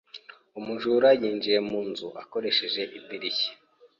Umujura yinjiye mu nzu akoresheje idirishya.